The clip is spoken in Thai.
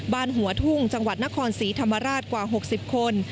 บ้านหัวทุ่งจังหวัดนครศรีธรรมราชกว่า๖๐คน